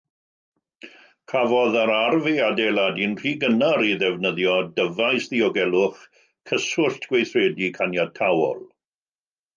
Cafodd yr arf ei adeiladu'n rhy gynnar i ddefnyddio dyfais ddiogelwch cyswllt gweithredu caniataol.